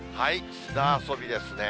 砂遊びですね。